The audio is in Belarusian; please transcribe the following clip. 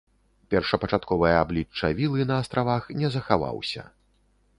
Першапачатковае аблічча вілы на астравах не захаваўся.